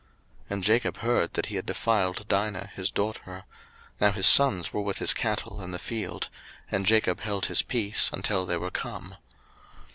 01:034:005 And Jacob heard that he had defiled Dinah his daughter: now his sons were with his cattle in the field: and Jacob held his peace until they were come.